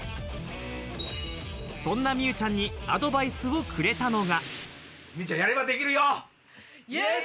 そんな美羽ちゃんにアドバイスをくれたのが。